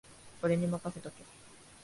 俺にまかせとけ